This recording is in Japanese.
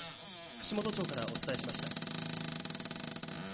串本町からお伝えしました。